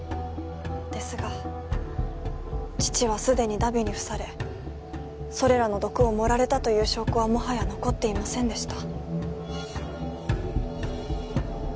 ですが父はすでに荼毘に付されそれらの毒を盛られたという証拠はもはや残っていませんでした。